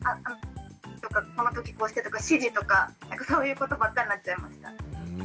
この時こうしてとか指示とかそういうことばっかりになっちゃいました。